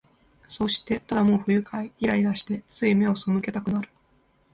そうして、ただもう不愉快、イライラして、つい眼をそむけたくなる